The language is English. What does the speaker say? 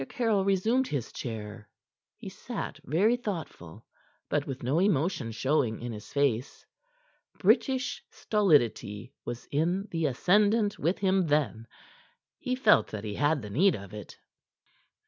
Caryll resumed his chair. He sat very thoughtful, but with no emotion showing in his face. British stolidity was in the ascendant with him then. He felt that he had the need of it.